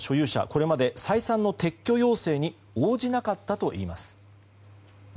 これまで再三の撤去要請に応じなかったといいます。